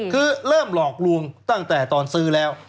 คือเริ่มหลอกลวงตั้งแต่ตอนซื้อแล้ว